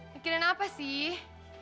mungkin apa sih